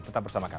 tetap bersama kami